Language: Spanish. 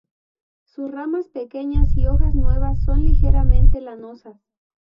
Sus ramas pequeñas y hojas nuevas son ligeramente lanosas.